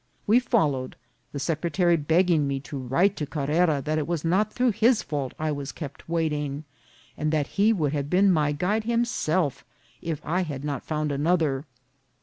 We follow ed, the secretary begging me to write to Carrera that it was not through his fault I was kept waiting, and that he would have been my guide himself if I had not found another.